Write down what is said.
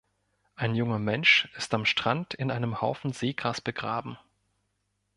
Ein junger Mensch ist am Strand in einem Haufen Seegras begraben.